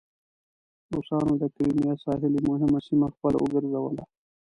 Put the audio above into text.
روسانو د کریمیا ساحلي مهمه سیمه خپله وګرځوله.